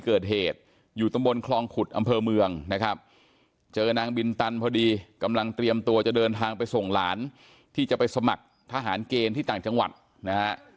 เกิดเหตุอยู่ตำบลคลองขุดอำเภอเมืองนะครับเจอนางบินตันพอดีกำลังเตรียมตัวจะเดินทางไปส่งหลานที่จะไปสมัครทหารเกณฑ์ที่ต่างจังหวัดนะฮะ